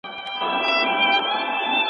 هغه ځوان چي پښتو وایي، د خپل کلتور ساتونکی دی.